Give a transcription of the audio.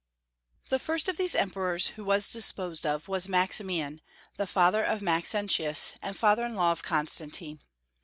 The first of these emperors who was disposed of was Maximian, the father of Maxentius and father in law of Constantine.